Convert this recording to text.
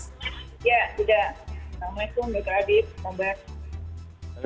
ya sudah assalamualaikum dr adip selamat malam